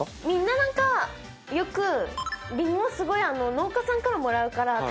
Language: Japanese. みんな何かよくりんごをすごい農家さんからもらうから。